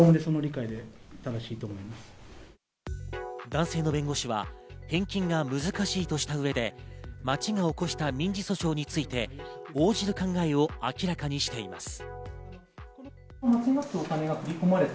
男性の弁護士は返金が難しいとした上で、町が起こした民事訴訟について応じる考えを明らかにしています。